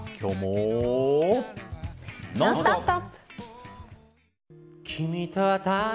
「ノンストップ！」。